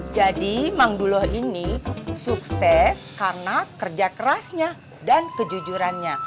jadi mang dulo ini sukses karena kerja kerasnya dan kejujurannya